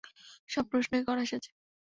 সব প্রশ্নই করা সাজে।